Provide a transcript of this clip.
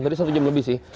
tadi satu jam lebih sih